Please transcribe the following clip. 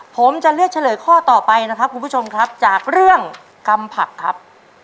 ผมจะเลือกเฉลยข้อต่อไปนะครับคุณผู้ชมครับจากเรื่องกำผักครับ